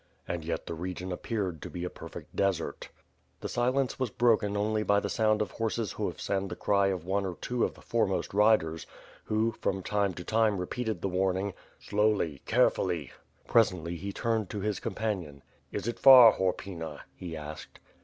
And yet the region appeared to be a perfect desert. The silence was broken only by the sound of horse's hoofs and the cry of on© or two of the foremost riders, who, from time to time repeated the warning: "Slowly, carefully!" Presently he turned to his companion. '^s it far, Horpyna," he asked.